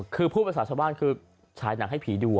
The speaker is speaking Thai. คือพูดภาษาชาวบ้านคือฉายหนังให้ผีดู